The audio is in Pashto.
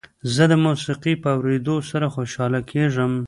زه د موسیقۍ په اورېدو سره خوشحاله کېږم.